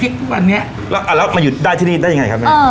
แล้วเอาแล้วอยู่ได้ที่นี่ได้ยังไงครับเออ